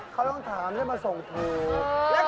เขาต้องถามไม่มาส่งถือ